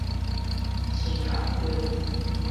菁礐溪